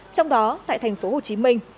trong đó tại thành phố hồ chí minh